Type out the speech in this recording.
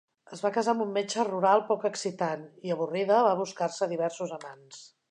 Es va casar amb un metge rural poc excitant i, avorrida, va buscar-se diversos amants.